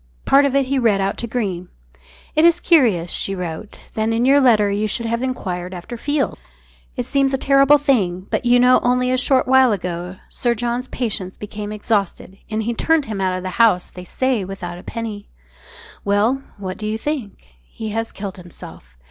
Part of it he read out to Greene "It is curious," she wrote, "that in your letter you should have enquired after Field. It seems a terrible thing, but you know only a short while ago Sir John's patience became exhausted, and he turned him out of the house, they say without a penny. Well, what do you think? He has killed himself.